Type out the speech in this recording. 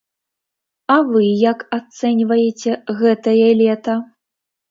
А вы як ацэньваеце гэтае лета?